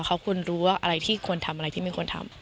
เขาควรรู้ว่าอะไรที่ควรทำอะไรที่ไม่ควรทำ